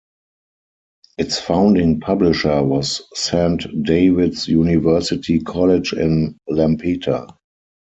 Its founding publisher was Saint David's University College in Lampeter.